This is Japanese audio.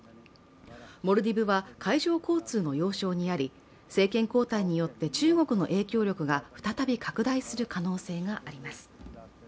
モルディブは海上交通の要衝にあり、政権交代によって中国の影響力が再び拡大するが可能性があります。